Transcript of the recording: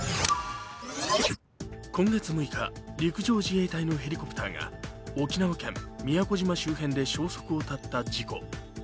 今月６日、陸上自衛隊のヘリコプターが沖縄県宮古島周辺で消息を絶った事故。